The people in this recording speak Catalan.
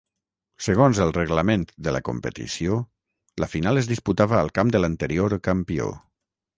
Segons el reglament de la competició, la final es disputava al camp de l'anterior campió.